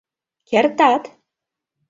Кертат!